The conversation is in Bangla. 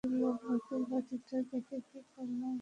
দেখলে কি করলাম ওখানে?